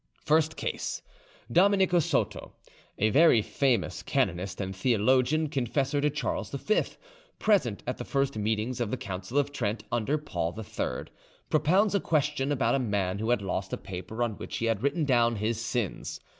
FIRST CASE Dominicus Soto, a very famous canonist and theologian, confessor to Charles V, present at the first meetings of the Council of Trent under Paul III, propounds a question about a man who had lost a paper on which he had written down his sins.